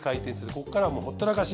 ここからはもうほったらかし。